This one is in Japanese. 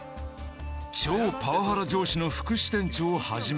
超パワハラ上司の副支店長を始め。